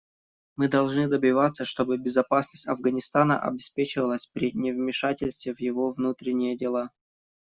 Мы должны добиваться, чтобы безопасность Афганистана обеспечивалась при невмешательстве в его внутренние дела.